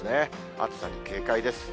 暑さに警戒です。